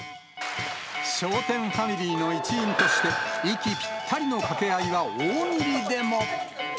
笑点ファミリーの一員として、息ぴったりの掛け合いは大喜利でも。